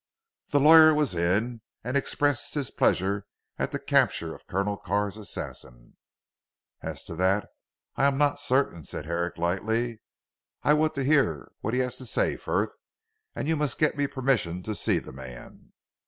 The lawyer was in, and expressed his pleasure at the capture of Colonel Carr's assassin. "As to that, I am not certain," said Herrick lightly, "I want to hear what he has to say Frith, and you must get me permission to see the man."